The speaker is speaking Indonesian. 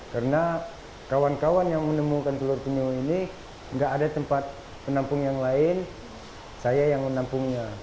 karena kawan kawan yang menemukan telur penyu ini nggak ada tempat penampung yang lain saya yang menampungnya